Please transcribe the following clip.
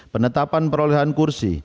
penetapan perolehan kursi